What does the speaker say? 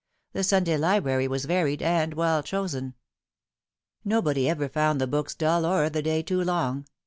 The Sunday library was varied and well chosen. Nobody ever found the books dull or the day too long.